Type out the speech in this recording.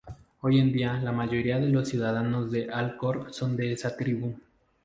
Hoy en día, la mayoría de los ciudadanos de Al-Khor son de esa tribu.